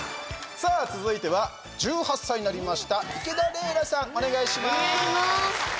さあ、続いては１８歳になりました池田レイラさん、お願いします。